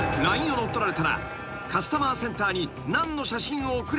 ［ＬＩＮＥを乗っ取られたらカスタマーセンターに］